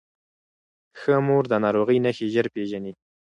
ښه مور د ناروغۍ نښې ژر پیژني.